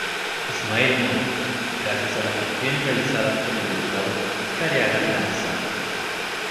Ismael Montes, gracias a las gestiones realizadas por el diputado Careaga Lanza.